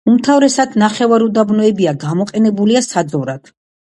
უმთავრესად ნახევარუდაბნოებია, გამოყენებულია საძოვრად.